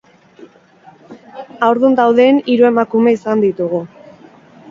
Haurdun dauden hiru emakume izan ditugu.